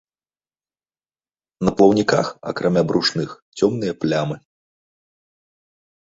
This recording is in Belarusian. На плаўніках, акрамя брушных, цёмныя плямы.